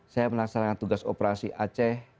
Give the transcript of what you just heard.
saya melaksanakan tugas operasi aceh